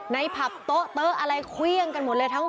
ในพัพโต๊ะเต้ออะไรเคี้ยงกันบนเลยทั้ง